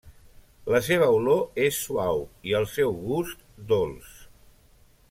La seva olor és suau i el seu gust, dolç.